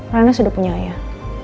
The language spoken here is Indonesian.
riana sudah punya ayah